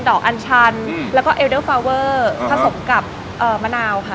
ดอกอันชันอืมแล้วก็เอลเดอร์ฟาวเวอร์อ๋อผสมกับเอ่อมะนาวค่ะอ๋อ